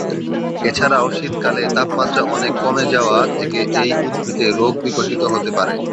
এছাড়াও শীতকালে তাপমাত্রা অনেক কমে যাওয়া থেকে এই উদ্ভিদে রোগ বিকশিত হতে পারে।